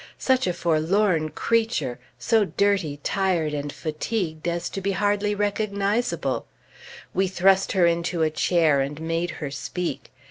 Such a forlorn creature! so dirty, tired, and fatigued, as to be hardly recognizable. We thrust her into a chair, and made her speak.